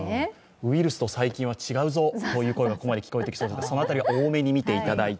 ウイルスと細菌は違うぞという声が聞こえそうですが、その辺りは大目に見ていただいて。